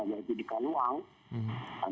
yaitu di kaluang